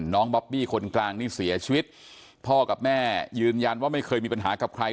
บอบบี้คนกลางนี่เสียชีวิตพ่อกับแม่ยืนยันว่าไม่เคยมีปัญหากับใคร